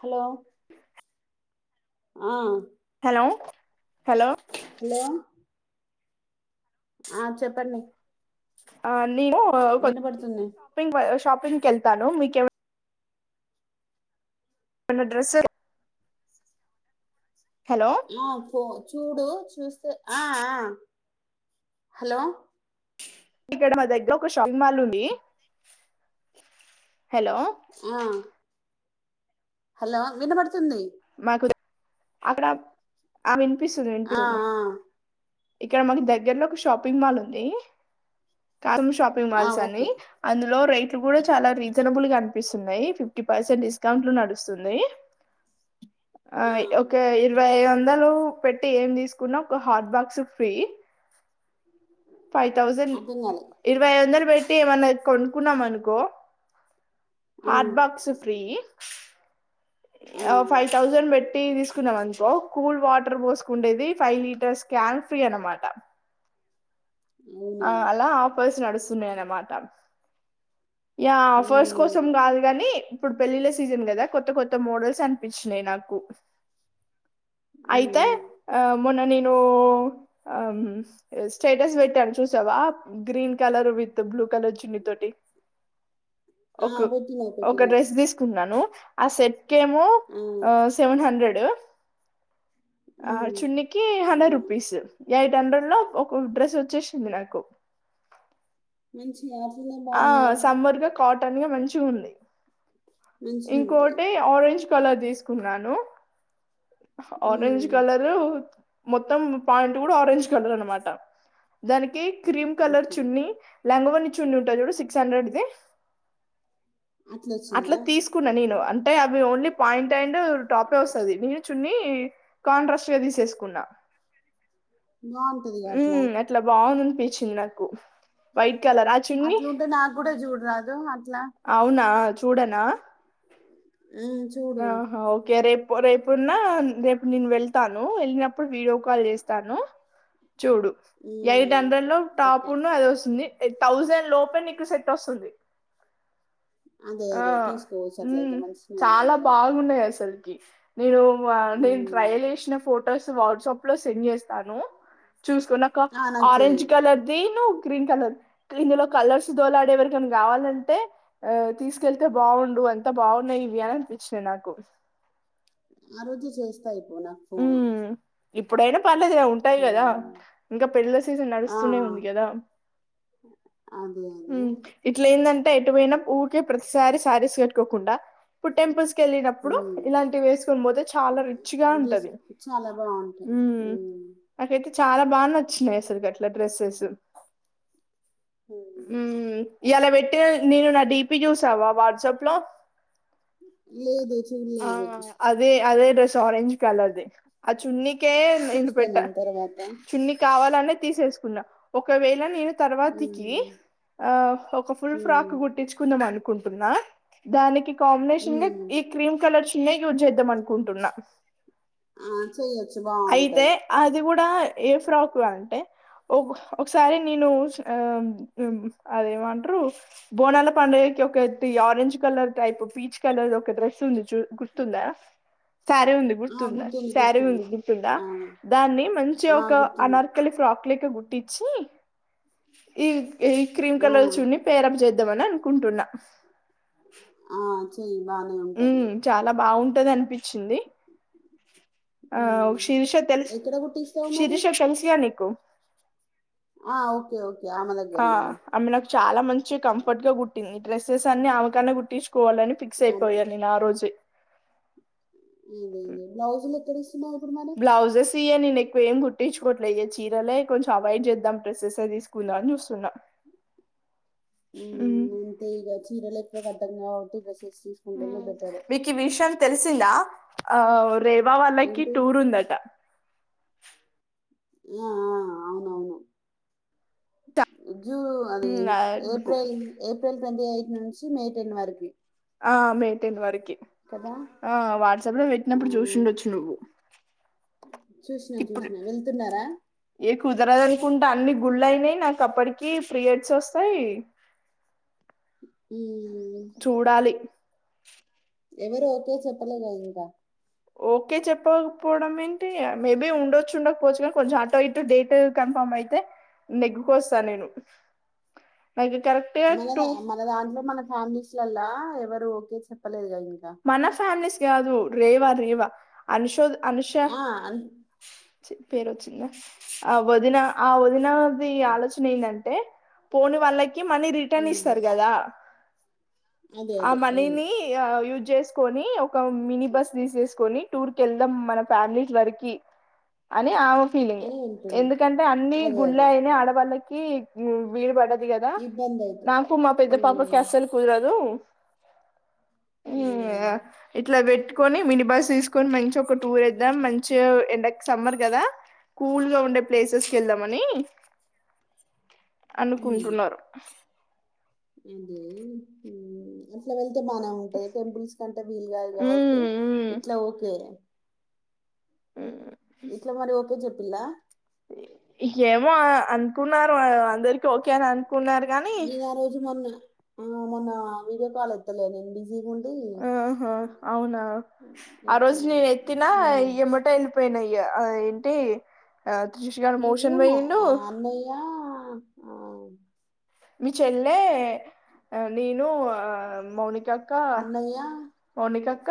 Hello ఆ hello hello ఆ చెప్పండి ఆ నీను [inaudible] వినబడుతుంది షాపింగ్ [inaudible] షాపింగ్కెళ్తాను మీకేవ [unintelligible] డ్రెస్ హలో ఆ పో చూడు చూస్తే ఆ ఆ హలో ఇక్కడ మా దగ్గర ఒక షాపింగ్ మాల్ ఉంది హలో ఆ హలో వినబడుతుంది మాకు అక్కడ అ పిసుంది ఆ ఆ [unintelligible] ఇక్కడ మాకు దగ్గర్లో ఒక షాపింగ్ మాలుంది కారం షాపింగ్ ఆ మాల్స్ అని ఓకే అందులో రేట్లు కూడా చాలా రీజనబుల్ గా అనిపిస్ తున్నయ్ ఫిఫ్టీ పర్సెంట్ డిస్కౌంట్ లో నడుస్తుంది ఆ ఒకే ఇరవైయ వందలు పెట్టి ఏం తీసుకున్నా ఒక hot box free five thousand అర్థం కాలే ఇరవై వందలు పయ్ అయితే ఏమన్నా కొనుకున్నామనుకో ఆ హార్డ్ బాక్స్ ఫ్రీ ఆ ఫైవ్ థౌజండ్ పెట్ టీ వీ తీసుకున్నాం అనుకో కూల్ వాటర్ పోసుకుండేది ఫైవ్ లీటర్స్ క్యాన్ ఫ్రీ అన్నమాట. అవునా ఆ అలా ఆఫర్స్ నడుస్తున్నాయి అన్నమాట యా ఆఫర్స్ మ్మ్ కోసం గాదు గాని ఇప్పుడు పెళ్ళిళ్ళ సీజన్ గదా కొత్త కొత్త మోడల్స్ ‌అనిపిచినయి నాకు అయితే మ్మ్ ఆ మొన్న నిను అమ్ స్టేటస్ పెట్టాను చూసావా green colour with blue colour చున్నీతోటి ఆ ఒక పెట్టినావ్ ఒక పెట్టినావ్ డ్రెస్ తీసుకున్నాను ఆ సెట్ కేము ఆ సెవెన్ హండ్రెడ్ యే ఆ మ్మ్ చున్నీకి హండ్రెడ్ అవునా రూపీస్ ట్రెండెడ్ లో ఒక డ్రెస్ వచ్చేసింది నాకు మంచి క్లాస్ ఉంది ఆ బానె సమ్మర్ గా కాటన్ గా మంచిగ ఉన్నాయి మంచిగుంటాయి ఇంకోటి ఆరెంజ్ కలర్ తీసుకున్నాను ఆరెంజ్ మ్మ్ కలర్ మొత్తం పాయింట్ కూడ ఆరెంజ్ కలర్ అనమాట దానికి క్రీమ్ కలర్ ఓకే చున్ని లంగ ఒని చున్నీ చూడు సిక్స్ హండ్రెడ్ ది అట్లా అట్ల వచ్చిందా తీసుకున్న నేను అ అంటే అవి ఓన్లీ పాయింట్ అండ్ టాపే వస్తది నేను చున్ని కాంట్రాస్ట్ గా తీసేసుకున్నా బాగుంటదిగా అట్లా ఉమ్ అట్ల బాగుంది మీ చిన్నకు అట్ల ఉంటే నాకు కూడా చూడరాదు అట్లా అవునా చూడనా ఉమ్, చూడు ఆహ ఓకె రేప్ పొరైపున్నా రేప్ నేను వెళ్తాను ను వెళ్ళినప్పుడు వీడియో కాల్ చేస్తాను చూడు ఎయిట్ ఉమ్, హండ్రెడ్ లో టాప్ ఓకే ను అది వస్తుంది థౌజెండ్ లోపే నీకు సెట్ వస్తుంది అదే ఆ అదే తీసుకోవచ్చు ఉమ్ అట్లయితే మంచిగా ఉంది చాల కదా బాగున్నాయి అసలు గిఫ్ నేను నేను ఉమ్, ట్రయెల్ యేసిన ఫోటో అ్ర వాట్సాప్ లో సెండ్ చేస్తాను చూసుకున్నాక ఆ, నాకు చెయ్యి ఆరెంజ్ కలర్దిి నువ్వు క్రీమ్ కలర్ ఇందులో కలర్స్ దోలాడేవరికన్నా కావాలంటే ఆ తీసుకెళ్తే బావుండు అంతా బాగున్నాయి ఇవి అని అనిపించినాయి నాకు ఆ రోజు తీసేస్ కయిపో నకు ఫ ఇప్పుడైన పర్లేదు ఉంటాయి గదా ఇంకా పెళ్ళల సీజన్ ఆ, నడుస్తూనే ఉంది కదా అదే అదే ఇట్లేదంట్ ఎటువోయ్న ఊకె ప్రతిసారి సారిస్ వెట్టుకోకుండ ఇపు టెంపుల్స్ కెళ్ళినప్పుడు ఉమ్, ఇలాంటివి వేసొని పోతే చాలా రిచ్ గా ఉ చాలా బాగుంటయ్ నాకైతే చాలా బాగ్ నచ్చినాయి అసల్ గట్ డ్రెస్సెస్ ఉమ్. హ్మ్ ఇయాలా పెట్టిన నేను నా డిపి చూసావా వాట్సాప్ లో లేదు ఆ చూడలేదు అదే అదే స్ ఆరంజ్ కలర్ ది ఆ చున్ని ఏ నేను చూస్తా పెట్ట తర్వాత చున్ని కావాల్ నే తీసేస్కున్నా ఒకవేళ నేను తర్వాతికి ఉమ్, ఆ ఒక ఫుల్ ఫ్రాక్ ఉమ్, కుట్టించుకుందాం అనుక్ కుంటున్నా దానికి కాంబినేషన్ ఉమ్. ఈ క్రీమ్ కలర్ [unintelligible] మనుకుంటున్నా ఆ, చెయ్యొచ్చు అయితే బాగుంటుంది అది గుడా ఏ ఫ్రాక్ అంటే ఒకసారి నేను అదేమంట్రు బోనాల పడుగకి ఒక orange colour type peach colour ఒక డ్రెస్ ఉంది గుర్తుందా సారీ ఉంది ఆ! తుందా గుర్తుంది. శారీ గుర్తుంది. ఉంది దగుతుందా ఆ! దాన్ని మంచిగా ఆ! ఒక గుర్తుంది. అనార్కలి ఫ్రాక్ క గుట్టించి ఈ ఈ క్రీమ్ ఆ! కలర్ చున్ని పేరప్ చేద్ న అనుకుంటున్నా ఆ చెయ్ బానే ఉంటుంది టది అనిపిచింది ఆ హ్మ్. శీర్ష తెల్స్ ఎక్కడ కుట్టిస్తావు మరి? శిరీష తెల్స్ గా నీకు ఆ ఓకే ఓకే ఆమె ఆ దగ్గరనా? ఆమె నాకు చాలా మంచి కంఫర్ట్ గా కుట్టింది డెస్సెస్సన్నీ ఆమెకాన్నా కుట్టించ పోవాలని ఫిక్స్ అయిపోయా నేన్ ఆ రోజే ఇదేదో బ్లౌజ్లే తిడిస్ ఉమా ఎక్కుడున్నాడు తీయని నెక్ ఏం కుట్టించ్కోట్లే ఏ చీరలే కొంచం అవాయిడ్ జేద్దాం డ్రస్సెస్సే తీసుకుందాం అని జుస్తున్నా ఉమ్ అంతేగా చీరల్ ఎక్కువ కట్టం కాబ్బటి డ్రసే ఆ మికి విషం తెలిసిందా ఆ వుర్ రేవా వాళ్ళకి ఏంటి టూర్ ఉందట ఏ ఆ అవునవును ఉద్ జూ అది ఉమ్, ఏప్రెల్ ఏప్రెల్ ట్వంటీ ఎయిట్ నుంచి మే టెన్ వరకు ఆ మే టెన్ వరుకి ఆ వాట్సాప్ లో పెట్నప్పుడు చూసిండొచ్చు నువ్వు చూస్నా ఇప్పుడు చూస్నా వెళ్తున్నారా కుంట అన్ని గుళ్ అయినై నాక్ అప్పటికి ప్రీయడ్స్ ఒస్తాయి ఊ చూడాలి ఎవరు ఓకే చెప్పలేగ ఇంకా ఓకే చెప్పక్పోడం ఏంటి యా మేబి ఉండొచ్చు ఉండకపోవచ్చు గా కొంచం అటో ఇట్ డేటు కన్ఫామ్ అయితే నెగ్గుకొస్తా నేను నాకి కరెక్ట్గా టు ఫ్యామ్లీస్లలో ఎవరు ఓకే చెప్పలేదు గద్ మన ఫ్యామ్లీస్ త్యాదు రేవా రేవా అనుషోద్ అనుషా ఆ! అన్ చి పేరు వొచ్చిందా ఆ ఒదిన ఆ ఒదినా నీ ఆలోచన ఏంటండ్ టే పోనీ వాళ్ళక్ కి మనీ రిటన్ హ్మ్. ఇస్తరు గదా అదే. ఆ అదే. అవును. మనినీ ఆ యూజ్ చేసుకొని ఒక మినీ బస్ తీసేసుకొని టూర్ కెళ్దాం మన ఫ్యామిలీస్ వరకి అని ఫీలింగ్ అని ఉంటుంది. ఎందుకంటే అన్ని అదే. గుళ్ళ అదే. అయినే ఆడవాల్ల కి వీర బాట అది కదా ఇబ్బందయితది. నాకు మా పెద్ద పాప కి హ్మ్. అసలు కుదరదు హ్మ్. ఇట్లా పెట్టుకొని మినీ బస్ తీసుకొని మంచి ఒక టూర్ యేద్దాం మంచిగా ఎండకి సమ్మర్ కదా కూల్ గా ఉండే ప్లేసెస్కి ఎళ్దామని అన్నది. అనుకుంటున్నారు అట్లా వె తే బానే ఉంటది టెంపుల్స్ కంటే వీలుగాదు కాబట్టి మ్మ్ ఇట్లా ఓకే మ్మ్ ఇట్లా మరి ఓకే చెప్ ప్పిల్లా ఏమో అనుకున్నారు అందరికి ఓకే అని అ నేను ఆ రోజు మొన్న ఆ మొన్న వీడియో కాల్ ఎత్తలే నేను బి ఆహా అవునా ఆ రోజు నేను ఎక్కలేదు ఎత్తినా మ్మ్ ఈ ఎమ్మటే వెళ్ళిపోయినాయి ఆ ఏంటి ఆ త్రిషుగాడు మోషన్ పోయిండు ఓ మీ చెల్లె నేను ఆ మౌనికా అక్కా అన్నయ్య మౌనిక క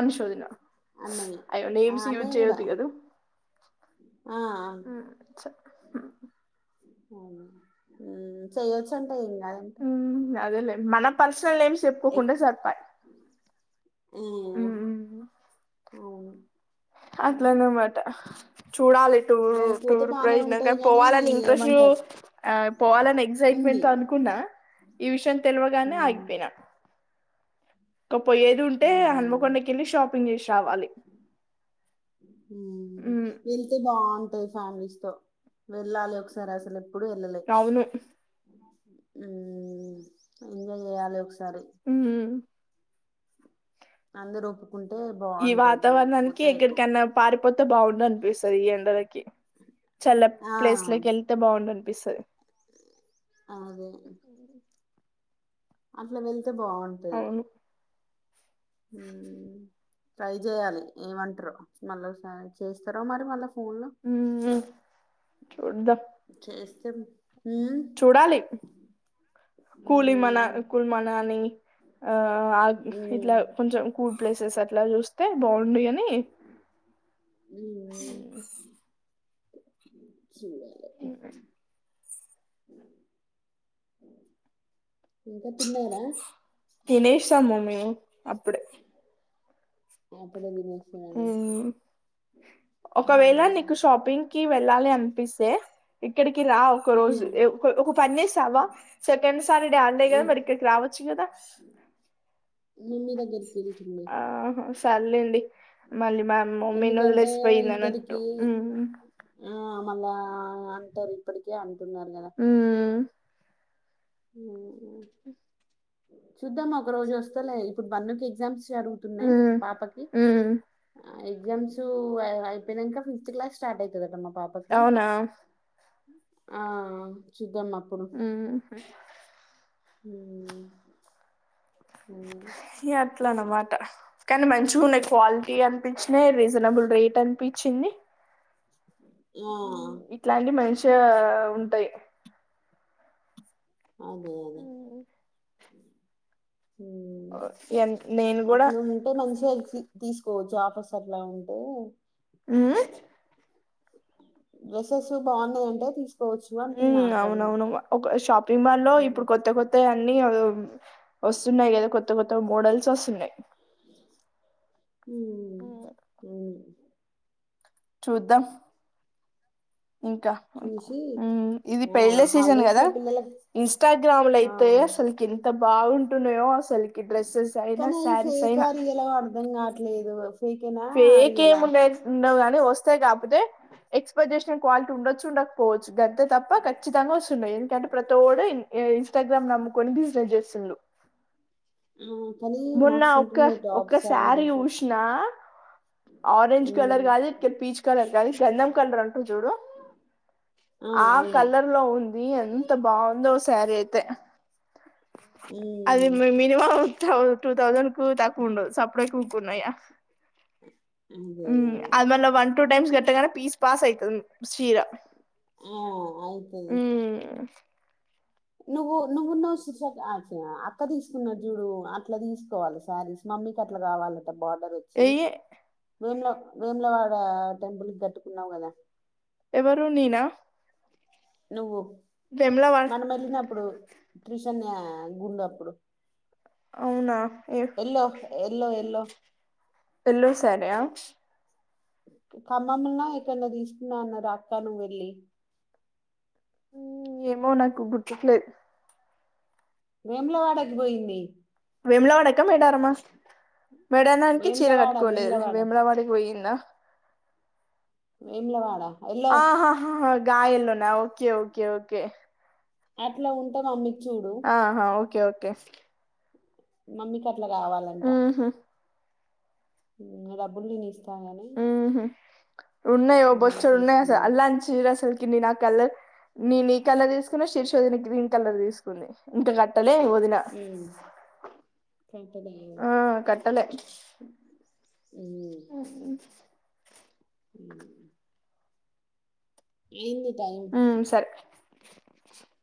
అనూశోదిన అన్నయ్య అయ్యో ఆ నేమ్స్ యూజ్ అన్నయ్య కూడా చేయ్యొద్దు కదు ఆ ఆ [unintelligible] హ్మ్ చెయ్యొచ్చంట ఏం కాదంట అదేలే మన పర్స్ నేమ్స్ ఎక్ చెప్పుకోకుంటె సరిపాయ్ మ్మ్ అవును అట్ల అవును అనమాట చూడాలి టూర్ అది పోతే టూర్ బానే ప్రజ ఉంటది కానీ గానీ పోవాలని ఇంట్రెస్ట్ ఏమంటారు ఆ పోవాలని ఉంది ఎక్సైట్మెంట్ తో అనుకున్నా ఈ విష తెలవగానే మ్మ్ ఆగిపోయినా ఇక పోయేది ఉంటే మ్మ్ హన్మకొండకి ఎళ్ళి షాపింగ్ చేసి రావాలి టే ఫ్యామిలీస్ తో వెళ్ళాలి ఒకసారి అసలు ఎప్పుడు ఎల్లలే అవును ఎంజాయ్ చేయాలి ఒక హ అంద రూపు ఈ వాతావరణానికి ఎక్కడికన్నా పారిపోతే బాగుండ అనిపిస్తుది ఈ ఎండలకి చల్ల ఆ ప్లేస్ లోకి వెళ్తే బాగుండ అనిపిస్తుంది అదే అట్లా వెల్ అంతే బాగుంటాయి అవును ట్రై చేయాలి ఏమంటారు మళ్ళారి చేస్తారో మరి మళ్ళా ఫోన్ లో ఉ చూడద చేస్త చూడాలి కూళ మనా ఉమ్, కుల్ మనాని అ ఇలా ఉమ్, కొంచ కూల్డ్ ప్లేసస్ టలు తె బడు ఎని స ఇ ఇంక తిన్నారా తినేసా మమ్మీ అప్పుడే అప్పుడే తిను హ్మ్ ఒకవేళ నేను నీకు షాపింగ్ కి వెళ్ళాలి అనిపిస్తే ఇక్కడికి రా ఒక మీ రోజు ఒక పని చేస్తావా సెకండ్ సాటర్డే హాలిడే కదా మరి ఇక్కడికి రావచ్చు కదా మీ దగ్గరికి వెళ్తున్నా ఆహా చాల్లేండి మళ్ళీ మా మమ్మీని ఎందుకంటే వదిలేసిపోయింది అన్నట్టు ఇద్దరికి హ్మ్ ఆ మళ్ళ అంటారు ఇప్పటికే అంట హ్మ్ హ్మ్ చూద్దామా ఒక రోజు వస్తలే ఇప్పుడు బన్నుకి ఎగ్జామ్స్ జరుగుతున్నాయి హ్మ్. పాపకి హ్మ్. ఎగ్జామ్స్ అయిపోయినంక ఫిఫ్త్ క్లాస్ స్టార్ట్ అవుతుదట మా పాపకి అవునా ఆ చూద్దామా ఉమ్మ్ హూ ఊ ఏ అట్లనమాట కానీ మంచివున్నయ్ క్వాలిటీ అనిపించినాయి రీజనబుల్ రేట్ అనిపి చింది ఆ, ఉమ్మ్ ఇట్లాంటి మనిషి తే ఉంటాయి అదే అదే ఉమ్, ఈ యన్ నేను కూడా తి తీసుకోవచ్చు ఆపసర్లంటే మ్మ్ ఆ డ్రెస్సెస్ బాగున్నాయి అఉటే తీస్ ఉమ్ అవునవును ఒక షాపింగ్ మాల్ లో ఇప్పుడు ఉమ్, కొత్త కొత్త అన్నీ [unintelligible] హ్మ్ వస్తున్నాయి కదా కొత్త గొ తో మోడల్స్ వొస్తున్నాయి ఉమ్మ్ ఉమ్మ్ హ్మ్ చూద్దాం ఇంకా చూసి ఉమ్మ్ ఇది ఆ పెళ్ళి సీజన్ హాలిడేస్ కదా లో పిల్లలకి ఇంస్టాగ్రామ్ లో ఆ అయితే అసలుకి ఎంత బాగుంటున్నయో అసలుకి డ్రెస్సెస్ అయినా కానీ అవి శారీస్ ఫేకా అయినా రియలా అర్ధం కావట్లేదు ఫేకేనా ఫేక్ రియలా ఏముండది ఉందన్ ను వస్తే కాకపోతే ఎక్స్పెక్ట్ చేసిన క్వాలిటీ ఉండొచ్చు ఉండకపోవచ్చు గంతే తప్ప ఖచ్చితంగా వస్తున్నాయి ఎందుకంటే ప్రతోడు ఇన్స్టాగ్రామ్ నమ్ముకొని బిజినెస్ చేస్తుండు ఉమ్మ్ మొన్న ఒక్క ఒక్క శారీ డ్రెస్సెస్ చుసిన ఆరెంజ్ కలర్ ఉమ్, కాదు ఇక్కడ పీచు కలర్ కాదు గంధం కలర్ అంటరు చూడు ఆ కలర్ లో ఉంది ఎంత బావుందో అస్ తారి అయితే అది ఉమ్, మినిమం [unintelligible] టూ తౌసన్ కు తక్కువ ఉండదు సప్డై ఇంకున్నయా అదే ఉమ్మ్ అది మళ్ళ వన్ టూ టైమ్స్ కట్టగానే పీస్ పాస్ అయితుంది చీర ఆ అయితది నువ్వు నువ్వున్నవు [unintelligible] అక్క తీసుకున్నది చూడు అట్ల తీసుకోవాలి శారీస్ మమ్మీకి అట్ల కావాలి తే బార్డర్ వొచ్చి ఎయ్యి వేముల మేములవాడ టెంపుల్ కి గట్టుకున్నావ్ కదా ఎవరు నీనా నువ్వు వా మనం వెళ్ళినప్పుడు క్రిష్ అన్నయ్య గుండు అప్పుడు అవునా ఏ ఎల్లో ఎల్లో ఎల్లో ఎల్లో శారి యా ఖమ్మం లనో ఎక్కనో తీసుకున్నావ్ అన్నారు అక్క నువ్వు వెళ్లి మ్మ్ ఏమో నాకు గుర్తుకులేద్ వేములవాడకి బోయింది వేములవాడక మేడారమా మేడానానికి చీర వేములవాడ కట్టుకోలేదు వేములవాడ వేమలవాడికి వోయిందా వెములవాడ ఆహా హ గయలున్నా ఓకే ఓకే ఓకే అట్లా ఉంటాం అమ్మ ఆహా ఓకే ఓకే ఎస్ మమ్మీ క అట్లా కావాలంట ఉహు డబుల్ ని నిస్త ఉహుమ్ ఉన్నయ్ ఓ మమ్మీ బొచ్చడున్నాయ్ అసల్ తీసుకున్నా అల్లాంట్చీరసల్కి నినా ఆ కలర్ నిన్ ఈ కలర్ తీస్కున్నా శిర్షోదినె గ్రీన్ కలర్ తీస్కుంది ఇంకా గట్టల్ లే వొదినఉమ్ కరెక్ట్ కట్టలే అహ ఉమ్ ఏన్ది టైమ్ ఉమ్, సరే